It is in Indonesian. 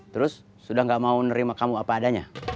terus sudah gak mau nerima kamu apa adanya